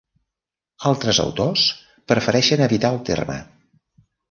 Altres autors prefereixen evitar el terme.